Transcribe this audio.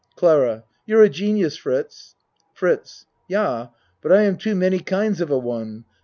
CLARA You're a genius, Fritz. FRITZ Yah but I am too many kinds of a one.